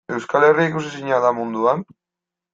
Euskal Herria ikusezina da munduan?